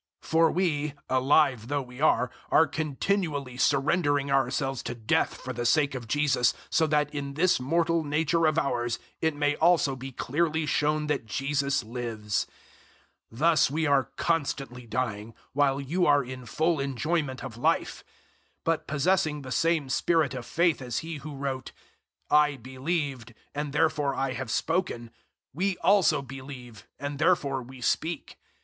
004:011 For we, alive though we are, are continually surrendering ourselves to death for the sake of Jesus, so that in this mortal nature of ours it may also be clearly shown that Jesus lives. 004:012 Thus we are constantly dying, while you are in full enjoyment of Life. 004:013 But possessing the same Spirit of faith as he who wrote, "I believed, and therefore I have spoken," we also believe, and therefore we speak.